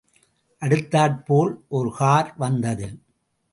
அடுத்தாற்போல் ஒருகார் வந்தது.